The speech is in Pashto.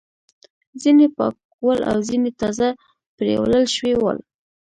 ځینې پاک ول او ځینې تازه پریولل شوي ول.